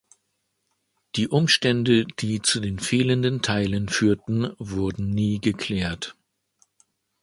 Die Umstände, die zu den fehlenden Teilen führten, wurden nie geklärt.